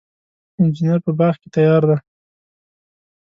انجیر په باغ کې تیار دی.